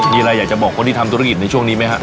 มีอะไรอยากจะบอกคนที่ทำธุรกิจในช่วงนี้ไหมครับ